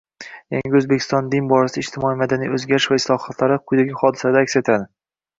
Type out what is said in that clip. Yangi Oʻzbekistonning din borasidagi ijtimoiy-madaniy oʻzgarish va islohotlari quyidagi hodisalarda aks etadi.